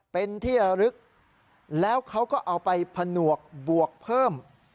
เป็นที่ระลึกแล้วเขาก็เอาไปผนวกบวกเพิ่ม